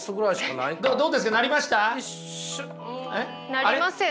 なりません。